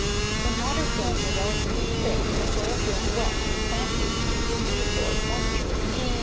When water films are relatively thick the soil feels wet and plant roots can easily absorb moisture.